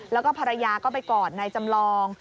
แล้วก็ภรรยาก็ไปกอดนายจำลอง